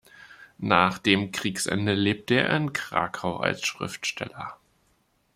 Nach dem Kriegsende lebte er in Krakau als Schriftsteller.